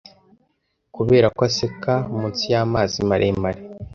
kubera ko aseka munsi y'amazi maremare